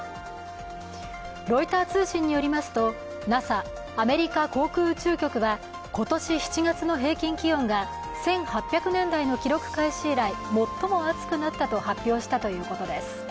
ロイター通信によりますと、ＮＡＳＡ＝アメリカ航空宇宙局は今年７月の平均気温が１８００年代の記録開始以来最も暑くなったと発表したということです。